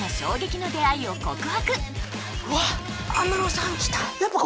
うわっ！